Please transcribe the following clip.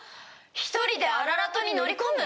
一人でアララトに乗り込む！？